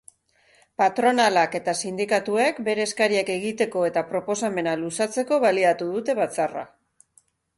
Patronalak eta sindikatuek bere eskariak egiteko eta proposamenak luzatzeko baliatu dute batzarra.